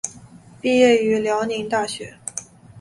毕业于辽宁大学。